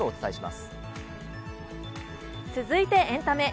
続いてエンタメ。